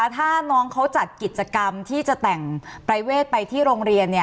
ถ้าน้องเขาจัดกิจกรรมที่จะแต่งประเวทไปที่โรงเรียน